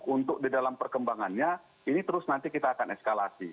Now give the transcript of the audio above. untuk di dalam perkembangannya ini terus nanti kita akan eskalasi